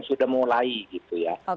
sudah mulai gitu ya